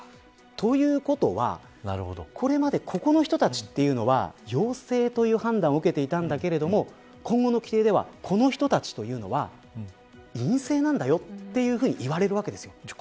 ということは、これまでここの人たちというのは陽性という判断を受けていたんだけれども今後の規定ではこの人たちというのは陰性なんだよと言われるわけです。